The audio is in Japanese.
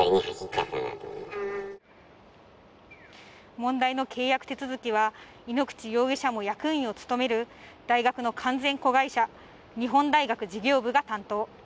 問題の契約手続きは井ノ口容疑者も役員を務める大学の完全子会社・日本大学事業部が担当。